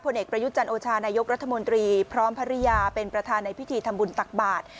เอกประยุจันโอชานายกรัฐมนตรีพร้อมภรรยาเป็นประธานในพิธีทำบุญตักบาท